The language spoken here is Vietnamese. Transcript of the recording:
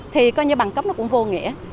thì coi như bằng cấp nó cũng vô nghĩa